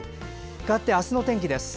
かわって、明日の天気です。